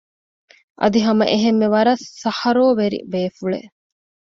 އަދި ހަމަ އެހެންމެ ވަރަށް ސަހަރޯވެރި ބޭފުޅެއް